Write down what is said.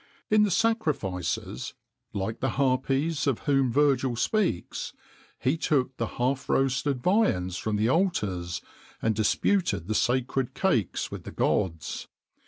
In the sacrifices, like the Harpies of whom Virgil speaks,[XXIX 20] he took the half roasted viands from the altars, and disputed the sacred cakes with the gods.